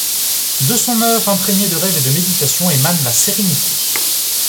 De son œuvre imprégnée de rêve et de méditation émane la sérénité.